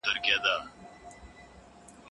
ماته به نه وايې چې مړه شو نرگس